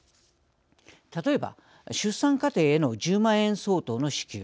例えば、出産家庭への１０万円相当の支給。